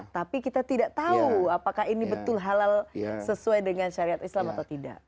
tapi kita tidak tahu apakah ini betul halal sesuai dengan syariat islam atau tidak